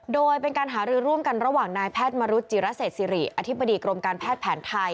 โดยเป็นการหารือร่วมกันระหว่างนายแพทย์มรุษจิระเศษศิริอธิบดีกรมการแพทย์แผนไทย